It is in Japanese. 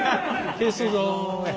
消すぞ。